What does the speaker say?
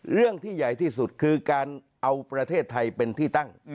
เรื่องที่ใหญ่ที่สุดคือการเอาประเทศไทยเป็นที่ตั้ง